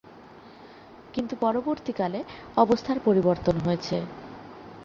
কিন্তু পরবর্তীকালে অবস্থার পরিবর্তন হয়েছে।